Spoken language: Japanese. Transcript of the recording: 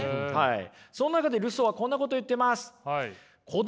その中でルソーはこんなこと言ってます。